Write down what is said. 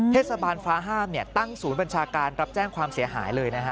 เทศบาลฟ้าห้ามตั้งศูนย์บัญชาการรับแจ้งความเสียหายเลยนะฮะ